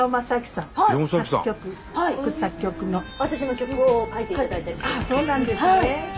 私も曲を書いていただいたりしてます。